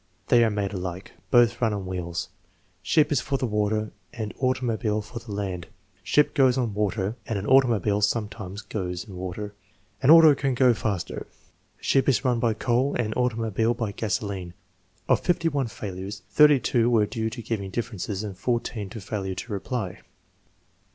"They are made alike." "Both run on wheels." "Ship is for the water and automobile for the land." "Ship goes on water and an automobile sometimes goes in water." "An auto can go faster." "Ship is run by coal and automobile by gasoline." Of 51 failures, 32 were due to giving differences and 14 to failure to reply.